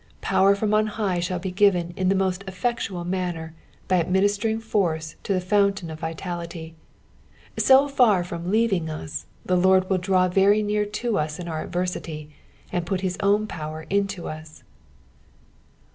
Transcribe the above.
Power from on high shall be given in the most effectual manner by adminis tering force to the fountain of vitality. So far from leaving us, the Lord will draw very near to us in our adversity, and put his own power into us.